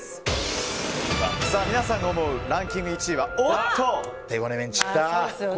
皆さんが思うランキング１位は手ごねメンチと。